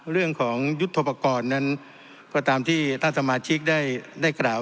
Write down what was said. เรื่องของยุทธโปรกรณ์นั้นก็ตามที่ท่านสมาชิกได้กล่าว